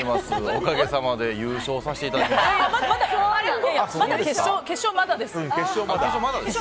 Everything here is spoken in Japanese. おかげさまで優勝させていただきました。